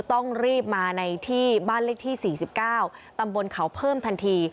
ต้องรีบมาในที่บ้านเลขที่๔๙ตำบลเขาเพิ่มทันที